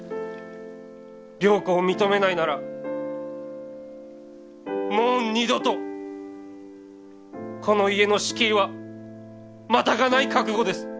良子を認めないならもう二度とこの家の敷居はまたがない覚悟です。